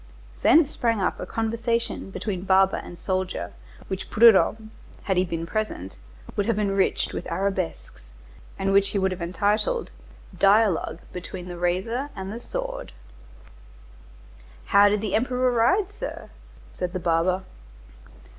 Thence sprang up a conversation between barber and soldier which Prudhomme, had he been present, would have enriched with arabesques, and which he would have entitled: "Dialogue between the razor and the sword." "How did the Emperor ride, sir?" said the barber.